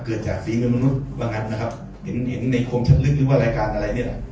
เกิดจากสีเงินมนุษย์ว่างั้นนะครับเห็นเห็นในโครงชะลึกหรือว่ารายการอะไรเนี่ย